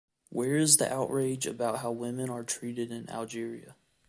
Where is the outrage about how women are treated in Algeria?